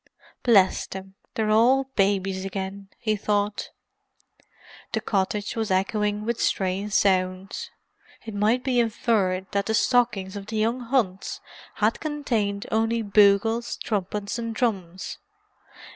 "Bless them—they're all babies again!" he thought. The cottage was echoing with strange sounds; it might be inferred that the stockings of the young Hunts had contained only bugles, trumpets and drums.